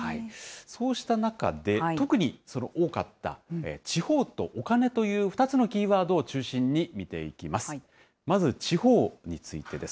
そうした中で、特に多かった、地方とお金という２つのキーワードを中心に見ていきます。